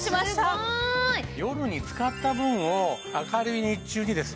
すごい！夜に使った分を明るい日中にですね